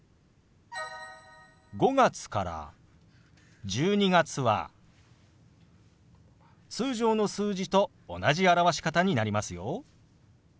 ５月から１２月は通常の数字と同じ表し方になりますよ。